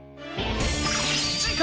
次回！